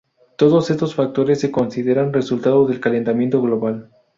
Todos estos factores se consideran resultado del calentamiento global.